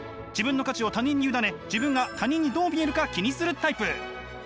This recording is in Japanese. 自分の価値を他人に委ね自分が他人にどう見えるか気にするタイプ。